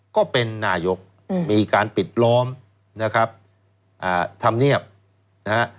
ก็เป็นนายกมีการปิดล้อมนะครับธรรมเนียบนะฮะ